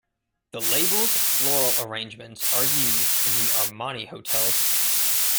The labels floral arrangements are used in the "Armani" hotels.